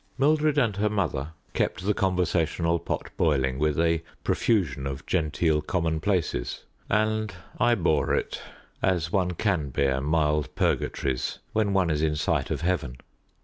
Mildred and her mother kept the conversational pot boiling with a profusion of genteel commonplaces, and I bore it, as one can bear mild purgatories when one is in sight of heaven.